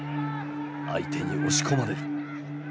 相手に押し込まれる。